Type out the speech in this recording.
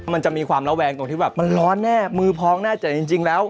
มันจะมีความระแวงตรงที่แบบมันร้อนแน่มือพองแน่แต่จริงแล้ว